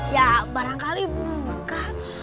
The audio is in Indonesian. ya barangkali buka